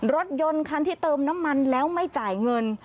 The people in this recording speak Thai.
รถยนต์คันที่เติมน้ำมันแล้วไม่จ่ายเงิน